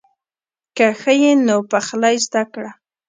که ښه یې نو پخلی زده کړه.